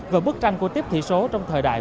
và bức tranh của tiếp thị số trong thời đại